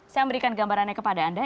saya memberikan gambarannya kepada anda